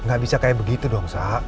gak bisa kayak begitu dong